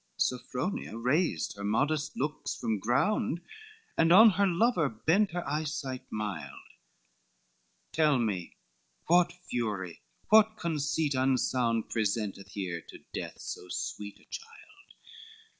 XXX Sophronia raised her modest looks from ground, And on her lover bent her eyesight mild, "Tell me, what fury? what conceit unsound Presenteth here to death so sweet a child?